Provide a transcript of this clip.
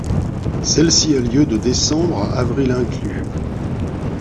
Celle-ci a lieu de décembre à avril inclus.